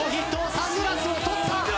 サングラスを取った！